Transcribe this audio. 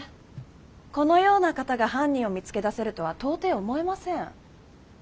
このような方が犯人を見つけ出せるとは到底思えません。